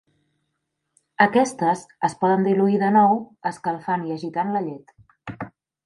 Aquestes es poden diluir de nou escalfant i agitant la llet.